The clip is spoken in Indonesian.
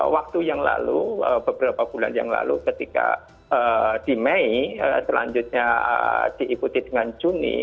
waktu yang lalu beberapa bulan yang lalu ketika di mei selanjutnya diikuti dengan juni